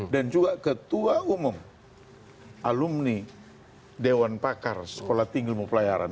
dan juga ketua umum alumni dewan pakar sekolah tinggi lumuh pelayaran